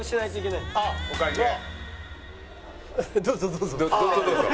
どうぞどうぞ。